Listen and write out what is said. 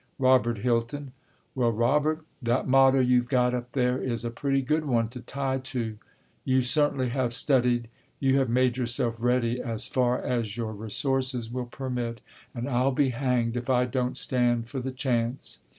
"Robert Hilton." "Well, Robert, that motto you've got up there is a pretty good one to tie to. You certainly have studied; you have made yourself ready as far as your resources will permit, and I'll be hanged if I don't stand for the 'chance.'